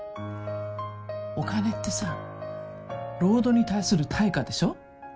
お金ってさ労働に対する対価でしょう？